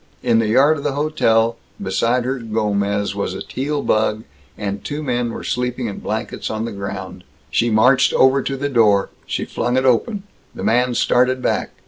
In the yard of the hotel, beside her Gomez, was a Teal bug, and two men were sleeping in blankets on the ground. She marched over to the door. She flung it open. The man started back.